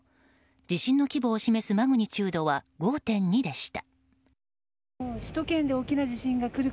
地震の規模を示すマグニチュードは５．２でした。